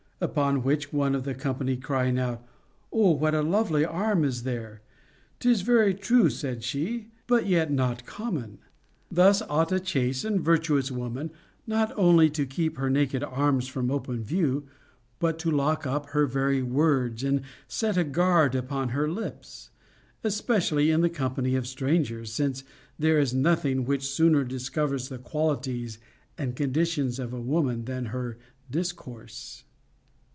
Upon which, one of the company crying out, Oh, what a lovely arm is there !— Tis very true, said she, but yet not common. Thus ought a chaste and virtuous wo man not only to keep her naked arms from open view, but vot.. tt. 3" 498 CONJUGAL PRECEPTS. to lock up her very words and set a guard upon her lips, especially in the company of strangers, since there is noth ing which sooner discovers the qualities and conditions of a woman than her discourse.